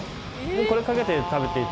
これをかけて食べて頂く。